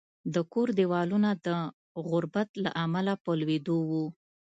د کور دېوالونه د غربت له امله په لوېدو وو